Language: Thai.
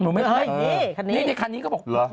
หนูไม่เห็นในคันนี้ก็บอกเหรอ